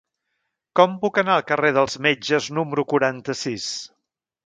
Com puc anar al carrer dels Metges número quaranta-sis?